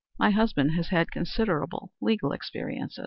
My husband has had considerable legal experience."